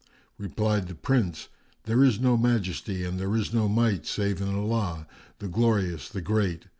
Replied the Prince, "There is no Majesty and there is no Might save in Allah, the Glorious, the Great!